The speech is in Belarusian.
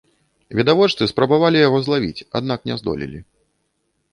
Відавочцы спрабавалі яго злавіць, аднак не здолелі.